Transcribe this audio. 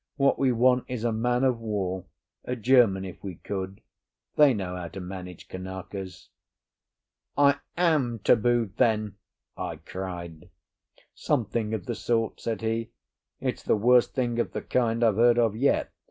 What we want is a man of war—a German, if we could—they know how to manage Kanakas." "I am tabooed, then?" I cried. "Something of the sort," said he. "It's the worst thing of the kind I've heard of yet.